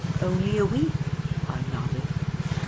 " Only a week," I nodded.